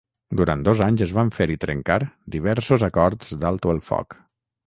Durant dos anys es van fer i trencar diversos acords d'alto el foc.